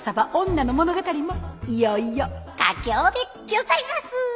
いよいよ佳境でギョざいます。